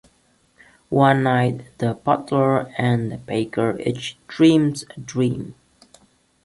One night, the butler and the baker each dreamed a dream.